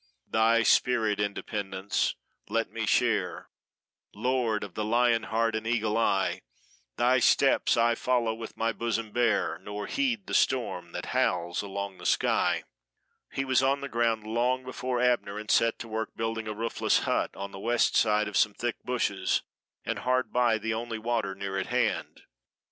"Thy spirit, Independence, let me share, Lord of the lion heart and eagle eye; Thy steps I follow with my bosom bare, Nor heed the storm that howls along the sky." He was on the ground long before Abner, and set to work building a roofless hut on the west side of some thick bushes, and hard by the only water near at hand.